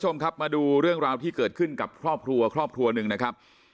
มาดูเรื่องราวที่เกิดขึ้นกับครอบครัวครอบครัวหนึ่งนะครับ